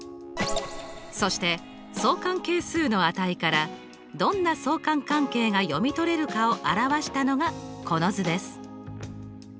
そして相関係数の値からどんな相関関係が読み取れるかを表したのがこの図です。